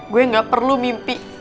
gue gak perlu mimpi